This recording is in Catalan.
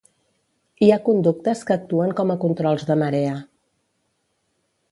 Hi ha conductes que actuen com a controls de marea.